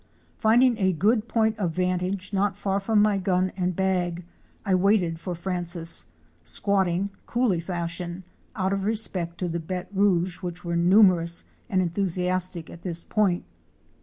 Finding a good point of vantage not far from my gun and bag, I waited for Francis, squatting —coolie fashion —out of respect to the béte rouge which were numerous and en thusiastic at this point!